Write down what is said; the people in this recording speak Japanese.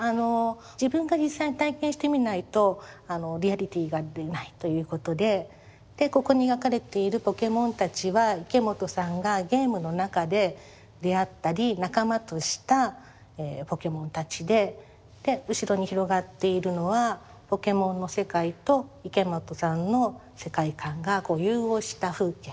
自分が実際に体験してみないとリアリティーが出ないということででここに描かれているポケモンたちは池本さんがゲームの中で出会ったり仲間としたポケモンたちでで後ろに広がっているのはポケモンの世界と池本さんの世界観が融合した風景。